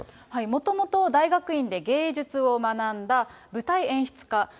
もともと大学院で芸術を学んだ舞台演出家。